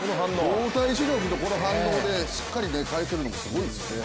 動体視力とこの反応でしっかり返せるのもすごいですよね。